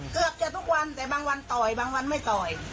เกือบจะทุกวันแต่บางวันต่อยบางวันไม่ต่อย